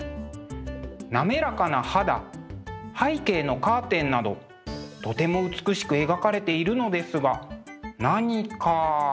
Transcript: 滑らかな肌背景のカーテンなどとても美しく描かれているのですが何か。